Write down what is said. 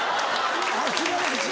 素晴らしい。